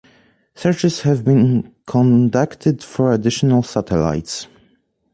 Searches have been conducted for additional satellites.